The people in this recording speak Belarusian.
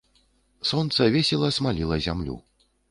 Сонца весела смаліла зямлю.